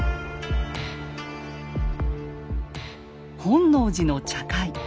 本能寺の茶会。